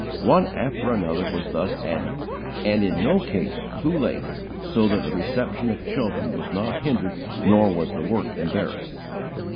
One after another was thus added, and in no case too late, so that the reception of children was not hindered nor was the work embarrassed.